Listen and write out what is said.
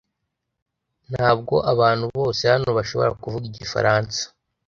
Ntabwo abantu bose hano bashobora kuvuga igifaransa .